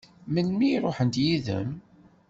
Melmi i ṛuḥent yid-m?